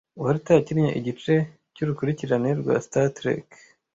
Walter yakinnye igice cyurukurikirane rwa Star Trek